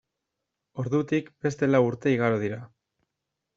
Ordutik beste lau urte igaro dira.